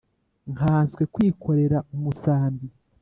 Nkanswe kwikorera umusambi!